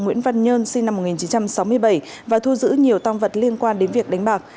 nguyễn văn nhơn sinh năm một nghìn chín trăm sáu mươi bảy và thu giữ nhiều tăng vật liên quan đến việc đánh bạc